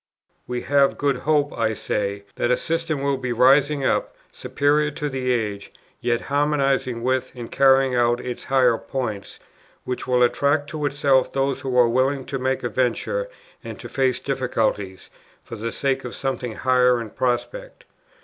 "We have good hope," I say, "that a system will be rising up, superior to the age, yet harmonizing with, and carrying out its higher points, which will attract to itself those who are willing to make a venture and to face difficulties, for the sake of something higher in prospect.